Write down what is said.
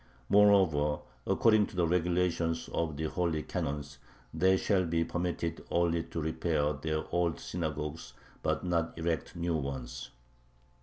Moreover, according to the regulations of the holy canons, they shall be permitted only to repair their old synagogues but not erect new ones.